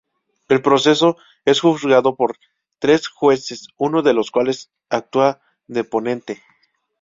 El proceso es juzgado por tres jueces, uno de los cuales actúa de ponente.